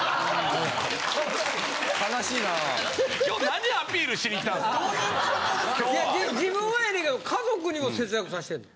・悲しいなぁ・自分はええねんけど家族にも節約させてんの？